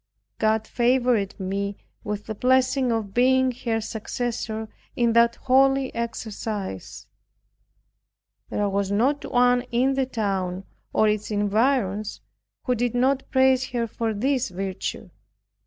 God favored me with the blessing of being her successor in that holy exercise. There was not one in the town, or its environs, who did not praise her for this virtue.